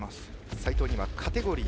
齊藤に、カテゴリー